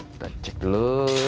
kita cek dulu